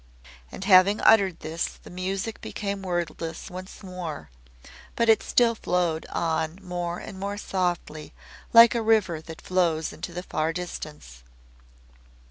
And having uttered this the music became wordless once more, but it still flowed on more and more softly like a river that flows into the far distance.